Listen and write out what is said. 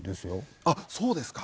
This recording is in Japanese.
あっそうですか？